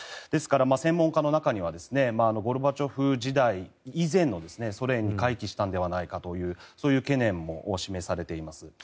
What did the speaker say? ですから、専門家の中にはゴルバチョフ時代以前のソ連に回帰したのではないかという懸念も示されています。